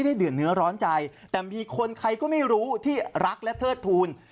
เดือดเนื้อร้อนใจแต่มีคนใครก็ไม่รู้ที่รักและเทิดทูล